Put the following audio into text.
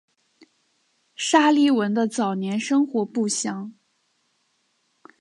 沙利文的早年生活不详。